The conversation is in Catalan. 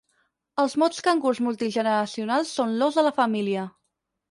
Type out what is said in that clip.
Els mots cangurs multigeneracionals són l'os de la família.